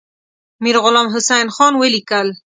میرغلام حسین خان ولیکل.